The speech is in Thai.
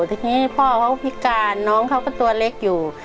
ทีนี้พ่อเขาพิการน้องเขาก็ตัวเล็กอยู่